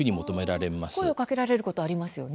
あ声をかけられることありますよね。